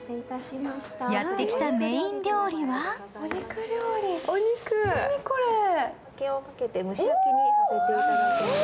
やってきたメイン料理は何これ。